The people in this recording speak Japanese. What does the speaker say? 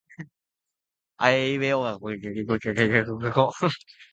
あえいうえおあおかけきくけこかこ